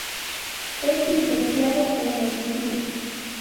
Es licenciado en Medicina.